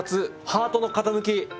ハートの型抜き。